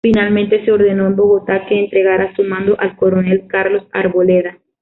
Finalmente, se ordenó en Bogotá que entregara su mando al coronel Carlos Arboleda.